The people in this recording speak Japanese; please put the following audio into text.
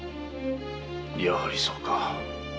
やはりそうか。